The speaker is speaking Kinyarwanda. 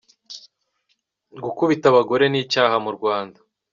Gukubita abagore n'icyaha mu Rwanda.